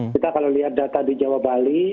kita kalau lihat data di jawa bali